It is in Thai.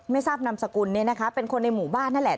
ทราบนามสกุลเนี่ยนะคะเป็นคนในหมู่บ้านนั่นแหละ